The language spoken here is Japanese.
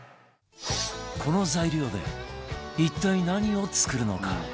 この材料で一体何を作るのか？